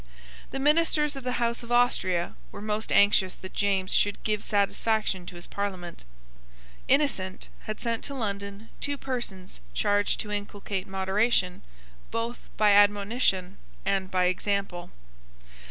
The ministers of the House of Austria were most anxious that James should give satisfaction to his Parliament. Innocent had sent to London two persons charged to inculcate moderation, both by admonition and by example.